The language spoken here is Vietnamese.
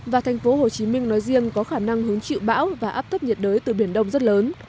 và thành phố hồ chí minh nói riêng có khả năng hứng chịu bão và áp thấp nhiệt đới từ biển đông rất lớn